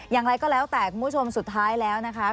อย่างไรก็แล้วแต่คุณผู้ชมสุดท้ายแล้วนะคะ